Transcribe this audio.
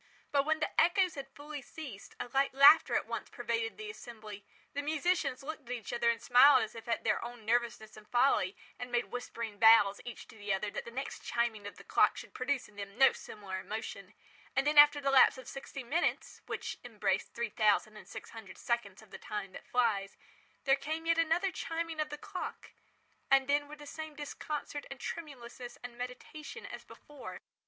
But when the echoes had fully ceased, a light laughter at once pervaded the assembly; the musicians looked at each other and smiled as if at their own nervousness and folly, and made whispering vows, each to the other, that the next chiming of the clock should produce in them no similar emotion; and then, after the lapse of sixty minutes, (which embrace three thousand and six hundred seconds of the Time that flies,) there came yet another chiming of the clock, and then were the same disconcert and tremulousness and meditation as before.